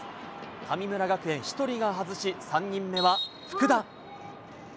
神村学園、１人が外し、３人目は福田。